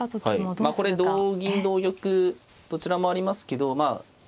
はいこれ同銀同玉どちらもありますけどまあ